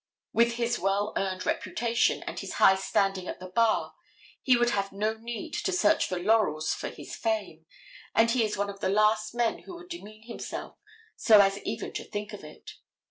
With his well earned reputation and his high standing at the bar he would have no need to search for laurels for his fame, and he is one of the last men that would demean himself so as even to think of it.